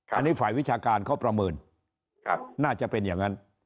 อันนี้ฝ่ายวิชาการเขาประเมินน่าจะเป็นอย่างนั้น